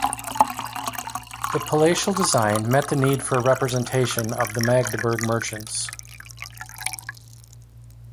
The palatial design met the need for representation of the Magdeburg merchants.